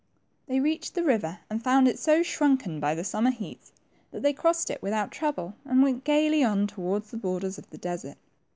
They reached the river and found it so shrunkeil^ by the summer heats that they crossed it without trouble, and went gayly on towards the borders of the desert.